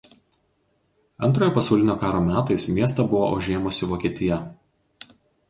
Antrojo pasaulinio karo metais miestą buvo užėmusi Vokietija.